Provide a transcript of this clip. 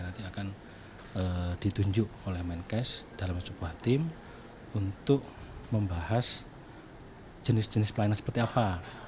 nanti akan ditunjuk oleh menkes dalam sebuah tim untuk membahas jenis jenis pelayanan seperti apa